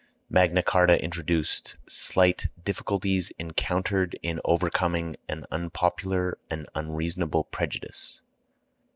MAGNA CHARTA INTRODUCED: SLIGHT DIFFICULTIES ENCOUNTERED IN OVERCOMING AN UNPOPULAR AND UNREASONABLE PREJUDICE.